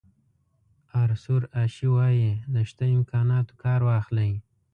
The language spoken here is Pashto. آرثور اشي وایي له شته امکاناتو کار واخلئ.